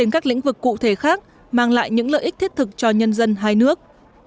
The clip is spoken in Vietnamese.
các lĩnh vực cụ thể khác mang lại những lợi ích thiết thực cho nhân dân hai nước